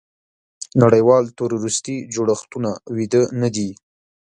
نړیوال تروریستي جوړښتونه ویده نه دي.